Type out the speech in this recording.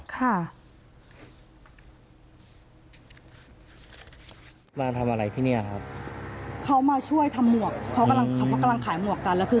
แล้วเขาบอกว่าเขาอยากกลับบ้านเขาอยากกลับบ้าน